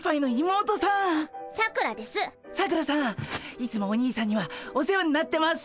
いつもお兄さんにはお世話になってます！